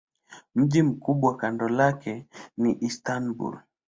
Mji mkubwa kando lake ni Istanbul.